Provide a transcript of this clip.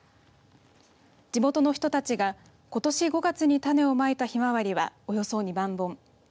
地元の人たちがことし５月に種をまいたひまわりはおよそ２万本。